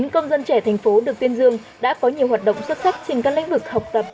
chín công dân trẻ thành phố được tuyên dương đã có nhiều hoạt động xuất sắc trên các lãnh vực học tập